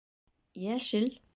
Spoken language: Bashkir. Йәшел